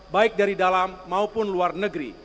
baik dari dalam maupun luar negeri